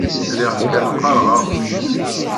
Lliɣ kan qqareɣ aɣmis.